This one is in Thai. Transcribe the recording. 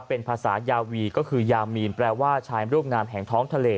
เป็นภาษายาวีก็คือยามีนแปลว่าชายรูปงามแห่งท้องทะเล